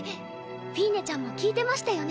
フィーネちゃんも聞いてましたよね。